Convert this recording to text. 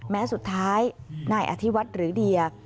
แม้สุดท้ายนายอธิวัฒน์หรือเดีย